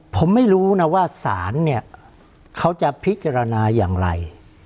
ผมไม่รู้นะว่าศาลเนี่ยเขาจะพิจารณาอย่างไร